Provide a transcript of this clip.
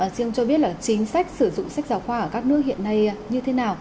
xin ông cho biết là chính sách sử dụng sách giáo khoa ở các nước hiện nay như thế nào